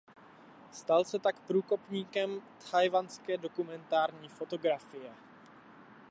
Stal se tak průkopníkem tchajwanské dokumentární fotografie.